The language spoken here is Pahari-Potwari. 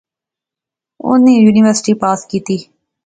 انی یونیورسٹی پاس کیتی